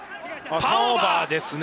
ターンオーバーですね。